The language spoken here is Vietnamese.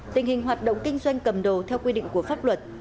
tình hình hoạt động kinh doanh cầm đồ theo quy định của pháp luật